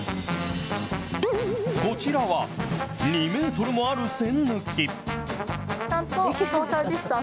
こちらは、２メートルもある栓抜き。